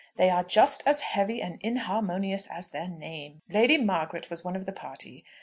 They are just as heavy and inharmonious as their name. Lady Margaret was one of the party.